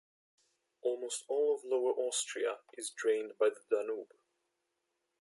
Almost all of Lower Austria is drained by the Danube.